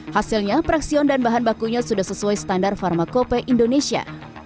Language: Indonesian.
hasilnya praksion dan bahan bakunya sudah sesuai standar pharmacope indonesia